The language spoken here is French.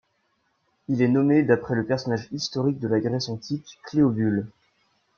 Il est nommé d'après le personnage historique de la Grèce antique Cléobule.